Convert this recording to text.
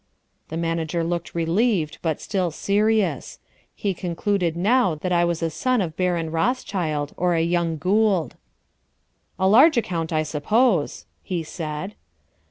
The manager looked relieved but still serious; he concluded now that I was a son of Baron Rothschild or a young Gould. "A large account, I suppose," he said.